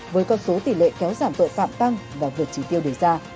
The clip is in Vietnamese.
với con số tỷ lệ kéo giảm tội phạm tăng và vượt trí tiêu đề ra